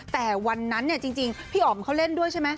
แต่วันนั้นจริงพี่อ๋อมเขาเล่นด้วยใช่ไหม